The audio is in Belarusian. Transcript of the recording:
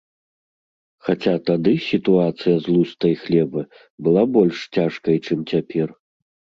Хаця тады сітуацыя з лустай хлеба была больш цяжкай, чым цяпер.